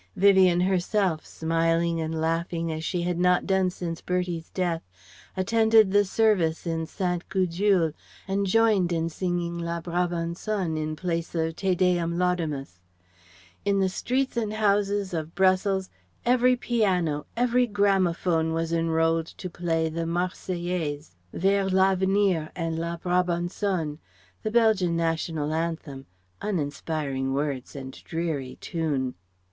Vivien herself, smiling and laughing as she had not done since Bertie's death, attended the service in Sainte Gudule and joined in singing La Brabançonne in place of Te Deum, laudamus. In the streets and houses of Brussels every piano, every gramophone was enrolled to play the Marseillaise, Vers l'Avenir, and La Brabançonne, the Belgian national anthem (uninspiring words and dreary tune).